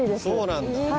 そうなんだ。